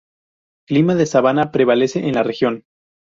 Clima de sabana prevalece en la región.